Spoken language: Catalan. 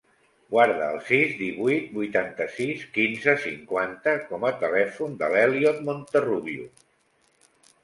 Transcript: Guarda el sis, divuit, vuitanta-sis, quinze, cinquanta com a telèfon de l'Elliot Monterrubio.